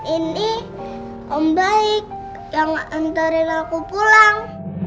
ini om baik yang nantarin aku pulang